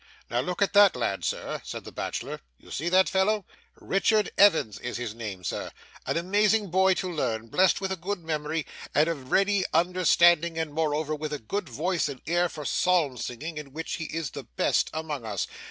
'Now, look at that lad, sir,' said the bachelor. 'You see that fellow? Richard Evans his name is, sir. An amazing boy to learn, blessed with a good memory, and a ready understanding, and moreover with a good voice and ear for psalm singing, in which he is the best among us.